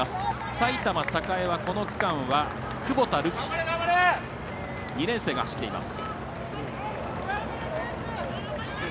埼玉栄はこの区間は久保田琉月２年生が走っています。